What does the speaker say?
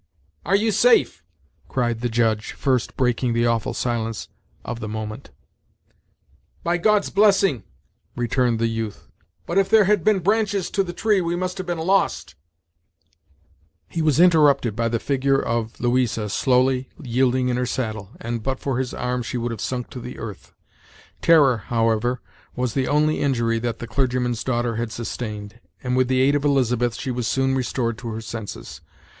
"Are you safe?" cried the Judge, first breaking the awful silence of the moment. "By God's blessing," returned the youth; "but if there had been branches to the tree we must have been lost " He was interrupted by the figure of Louisa slowly yielding in her saddle, and but for his arm she would have sunk to the earth. Terror, however, was the only injury that the clergyman's daughter had sustained, and, with the aid of Elizabeth, she was soon restored to her senses.